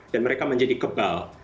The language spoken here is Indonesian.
dan mereka menjadi kebal